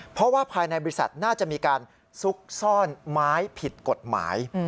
เพราะว่าภายในบริษัทน่าจะมีการซุกซ่อนไม้ผิดกฎหมาย